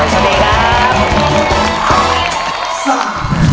สวัสดีครับ